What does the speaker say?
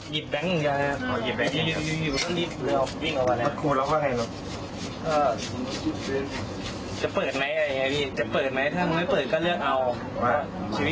จากเงินเนี่ยจะอะไรประมาณนี้หรืออะไรพี่